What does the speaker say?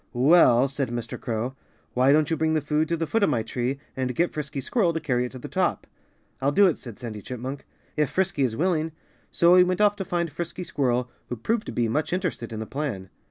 "Well," said Mr. Crow, "why don't you bring the food to the foot of my tree and get Frisky Squirrel to carry it to the top?" "I'll do it," said Sandy Chipmunk "if Frisky is willing." So he went off to find Frisky Squirrel, who proved to be much interested in the plan.